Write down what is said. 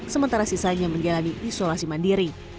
sementara sisanya menjalani isolasi mandiri